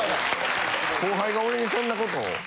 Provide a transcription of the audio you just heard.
後輩が俺にそんなことを。